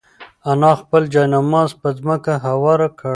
انا خپل جاینماز په ځمکه هوار کړ.